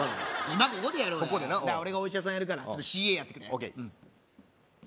今ここでやろうや俺がお医者さんやるからちょっとＣＡやってくれＯＫ